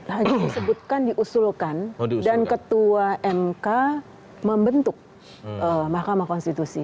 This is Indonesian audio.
lagi disebutkan diusulkan dan ketua mk membentuk mahkamah konstitusi